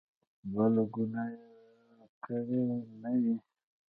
بله ګناه کړې نه وي.